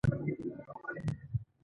ایا زما سږي به ښه شي؟